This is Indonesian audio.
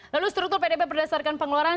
lalu struktur pdb berdasarkan pengeluaran